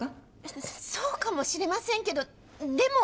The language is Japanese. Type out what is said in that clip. そうかもしれませんけどでも。